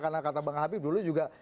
karena kata bang habib dulu juga